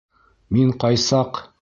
Мин ҡай саҡ...